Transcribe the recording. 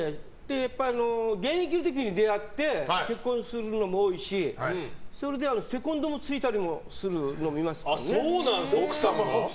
やっぱり現役の時に出会って結婚するのも多いしそれでセコンドもついたりもするの見ますね。